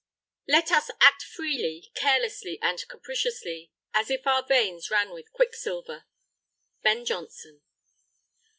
Let us Act freely, carelessly, and capriciously, as if our veins Ran with quicksilver. Ben Jonson.